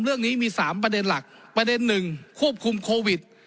เรื่องนี้มี๓ประเด็นหลักประเด็นหนึ่งควบคุมโควิด